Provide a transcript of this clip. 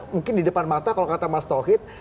mungkin di depan mata kalau kata mas tauhid